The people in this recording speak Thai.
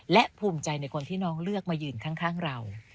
และภูมิใจในคนที่น้องเลือกมายืนข้างเรา